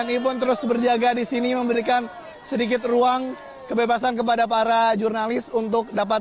tni pun terus berjaga di sini memberikan sedikit ruang kebebasan kepada para jurnalis untuk dapat